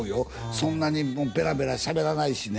そんなにペラペラしゃべらないしね